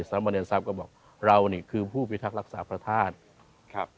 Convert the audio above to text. สามเณรทรัพย์ก็บอกเรานี่คือผู้พิทักษ์รักษาพระธาตุครับ